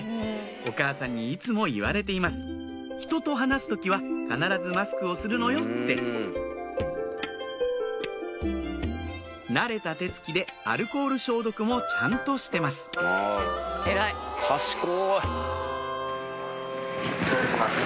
お母さんにいつも言われています人と話す時は必ずマスクをするのよって慣れた手つきでアルコール消毒もちゃんとしてます賢い。